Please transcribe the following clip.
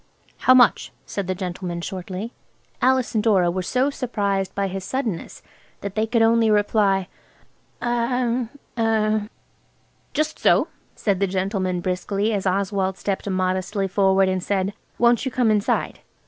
"How much?" said the gentleman shortly. Alice and Dora were so surprised by his suddenness that they could only reply– "Er–er–" "Just so," said the gentleman briskly as Oswald stepped modestly forward and said– "Won't you come inside?"